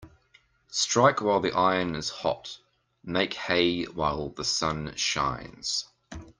Strike while the iron is hot Make hay while the sun shines.